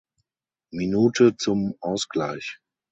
Minute zum Ausgleich.